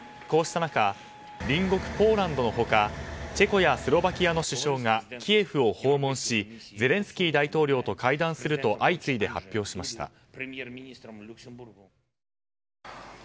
こうした中、隣国ポーランドの他チェコやスロバキアの首相がキエフを訪問しゼレンスキー大統領と会談すると相次いで発表しました。